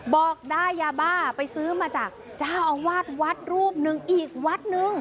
บอกได้ยาบ้าไปซื้อมาจากเจ้าอาวาสวัดรูปหนึ่งอีกวัดนึง